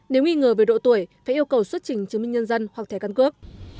nếu nghi ngờ về độ tuổi phải yêu cầu xuất trình chứng minh nhân dân hoặc thẻ căn cước